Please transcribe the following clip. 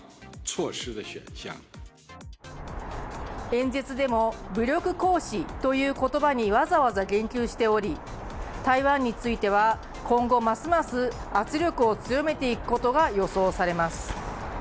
演説でも武力行使という言葉にわざわざ言及しており、台湾については今後ますます圧力を強めていくことが予想されます。